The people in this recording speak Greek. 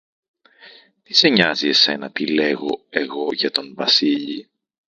Τι σε νοιάζει εσένα τι λέγω εγώ για τον Βασίλη;